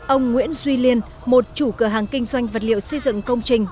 ông nguyễn duy liên một chủ cửa hàng kinh doanh vật liệu xây dựng công trình